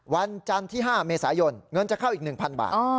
วันจันทร์ที่๕เมษายนเงินจะเข้าอีก๑๐๐บาท